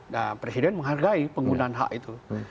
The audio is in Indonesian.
dan presiden menghargai penggunaan hak itu